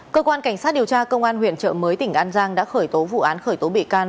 cơ quan cảnh sát điều tra công an huyện trợ mới tỉnh an giang đã khởi tố vụ án khởi tố bị can